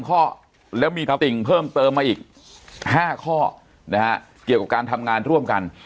ข้อแล้วมีติ่งเพิ่มเติมมาอีก๕ข้อนะฮะเกี่ยวกับการทำงานร่วมกัน